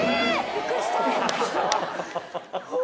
びっくりしたぁ。